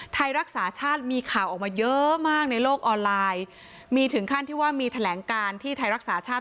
ไทยรักษาชาติมีข่าวออกมาเยอะมากในโลกออนไลน์มีถึงขั้นที่ว่ามีแถลงการที่ไทยรักษาชาติ